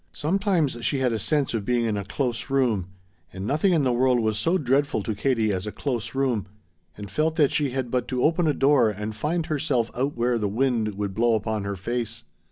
Sometimes she had a sense of being in a close room, and nothing in the world was so dreadful to Katie as a close room, and felt that she had but to open a door and find herself out where the wind would blow upon her face.